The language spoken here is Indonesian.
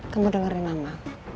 kamu dengerin mama